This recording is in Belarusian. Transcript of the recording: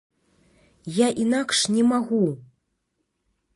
Я інакш не магу!